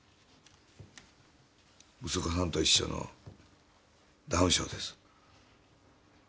息子はんと一緒のダウン症です